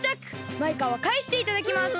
マイカはかえしていただきます！